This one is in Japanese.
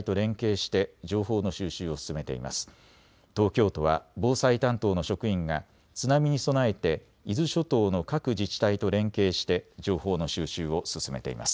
また東京都は防災担当の職員が津波に備えて伊豆諸島の各自治体と連携して情報の収集を進めています。